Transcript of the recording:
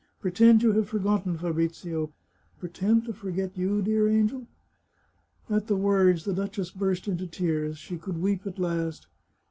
Pretend you have forgotten Fabrizio. Pretend to forget you, dear angel ?" At the words the duchess burst into tears — she could weep at last.